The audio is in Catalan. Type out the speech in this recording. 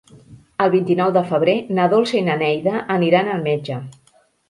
El vint-i-nou de febrer na Dolça i na Neida aniran al metge.